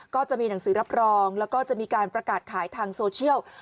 ก็จะมีหนังสือรับรองแล้วก็จะมีการประกาศขายทางโซเชียล